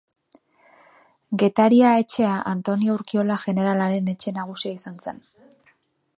Getaria etxea Antonio Urkiola jeneralaren etxe nagusia izan zen.